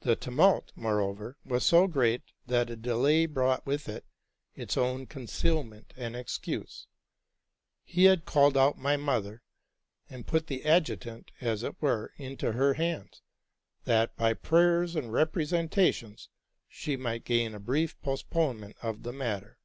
The tumult, moreover, was so great, that a delay brought with it its own concealment and excuse. He had called out my mother, and 84 TRUTH AND FICTION put the adjutant, as it were, into her hands, that, by prayers and representations, she might gain a brief postponement of the matter.